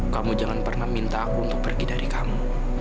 kamu jangan pernah minta aku untuk pergi dari kamu